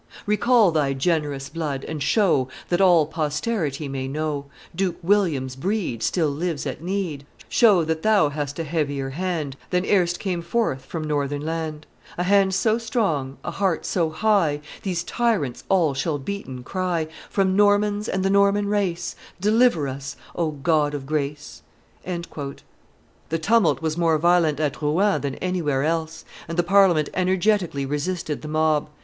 "Recall thy generous blood, and show That all posterity may know Duke William's breed still lives at need: Show that thou hast a heavier hand Than erst came forth from Northern land; A hand so strong, a heart so high, These tyrants all shall beaten cry, 'From Normans and the Norman race Deliver us, O God of grace!'" The tumult was more violent at Rouen than anywhere else, and the Parliament energetically resisted the mob.